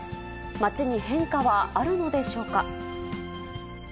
街に変化はあるのでしょうか。